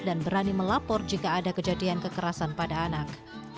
dan berani melapor jika ada kejadian kekerasan pada anak